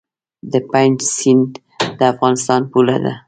د پنج سیند د افغانستان پوله ده